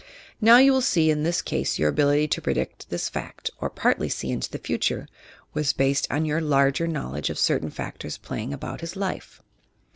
Now, you will see, in this ease your ability to predict this fact (or partly see into the future) was based on your larger knowledge of certain factors playing about his life.